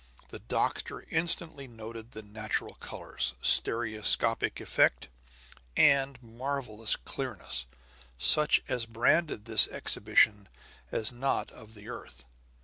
The doctor instantly noted the natural colors, stereoscopic effect, and marvelous clearness, such as branded this exhibition as not of the earth.